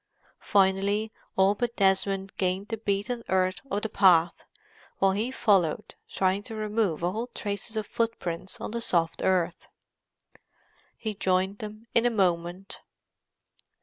Finally all but Desmond gained the beaten earth of the path, while he followed, trying to remove all trace of footprints on the soft earth. He joined them in a moment.